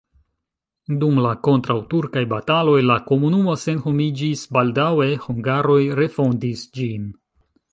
Dum la kontraŭturkaj bataloj la komunumo senhomiĝis, baldaŭe hungaroj refondis ĝin.